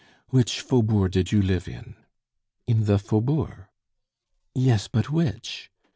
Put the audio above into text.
"Which Faubourg did you live in?" "In the Faubourg." "Yes, but which?"